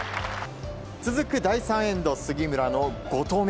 続く第３エンド、杉村の５投目。